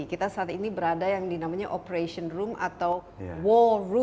kita saat ini berada yang dinamanya operation room atau wall room